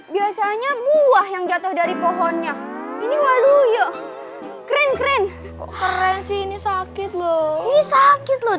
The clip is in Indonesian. biasanya buah yang jatuh dari pohonnya ini waduh yuk keren keren keren sih ini sakit loh ini sakit loh